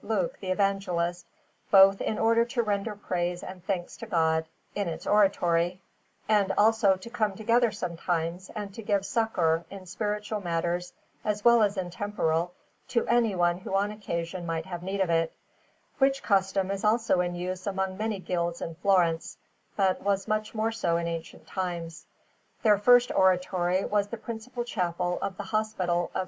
Luke the Evangelist, both in order to render praise and thanks to God in its oratory, and also to come together sometimes and to give succour, in spiritual matters as well as in temporal, to anyone who on occasion might have need of it; which custom is also in use among many Guilds in Florence, but was much more so in ancient times. Their first oratory was the principal chapel of the Hospital of S.